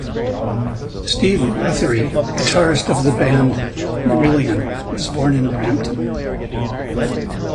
Steve Rothery, guitarist of the band Marillion, was born in Brampton.